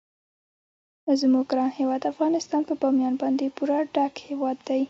زموږ ګران هیواد افغانستان په بامیان باندې پوره ډک هیواد دی.